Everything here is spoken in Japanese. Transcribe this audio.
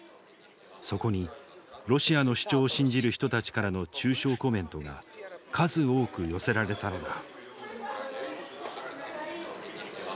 そこにロシアの主張を信じる人たちからの中傷コメントが数多く寄せられたのだ。